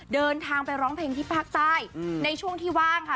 เดินทางไปร้องเพลงที่ภาคใต้ในช่วงที่ว่างค่ะ